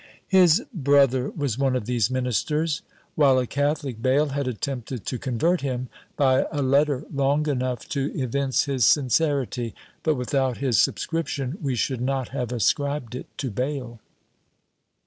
His brother was one of these ministers; while a catholic, Bayle had attempted to convert him, by a letter long enough to evince his sincerity; but without his subscription we should not have ascribed it to Bayle.